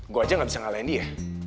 gue aja gak bisa ngalahin dia